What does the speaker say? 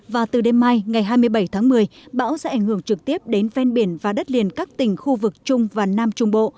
và từ đêm mai ngày hai mươi bảy tháng một mươi bão sẽ ảnh hưởng trực tiếp đến ven biển và đất liền các tỉnh khu vực trung và nam trung bộ